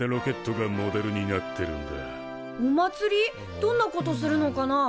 どんなことするのかな？